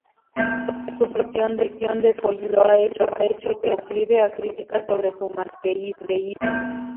Su propia condición de folletín lo ha hecho proclive a críticas sobre su maniqueísmo.